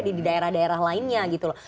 tapi ada di daerah daerah lainnya gitu loh